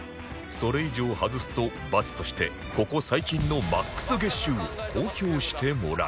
それ以上外すと罰としてここ最近の ＭＡＸ 月収を公表してもらいます